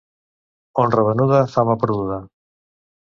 Honra venuda, fama perduda.